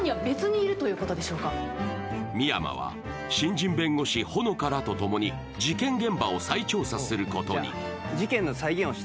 深山は新人弁護士・穂乃果らとともに事件現場を再調査することに。